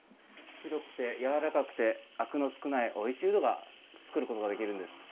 白くてやわらかくてあくの少ないおいしいウドを作ることができるんです。